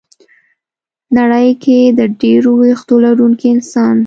ه نړۍ کې د ډېرو وېښتو لرونکي انسان